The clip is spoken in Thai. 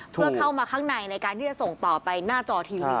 เพื่อเข้ามาข้างในในการที่จะส่งต่อไปหน้าจอทีวี